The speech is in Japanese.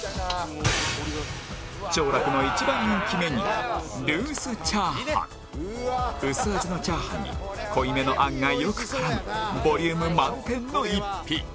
兆楽の一番人気メニュー薄味のチャーハンに濃いめのあんがよく絡むボリューム満点の一品